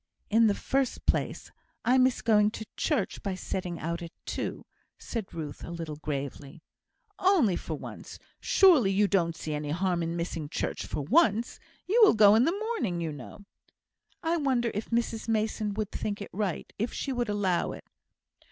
"In the first place, I miss going to church by setting out at two," said Ruth, a little gravely. "Only for once. Surely you don't see any harm in missing church for once? You will go in the morning, you know." "I wonder if Mrs Mason would think it right if she would allow it?"